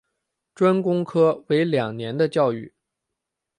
专攻科为两年的教育。